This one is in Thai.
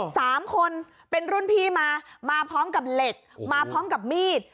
สามคนเป็นรุ่นพี่มามาพร้อมกับเหล็กมาพร้อมกับมีด